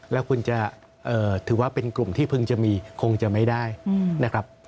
แล้วคุณจะถือว่าเป็นกลุ่มที่เพิ่งจะมีคงจะไม่ได้นะครับ